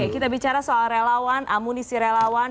kita bicara soal relawan amunisi relawan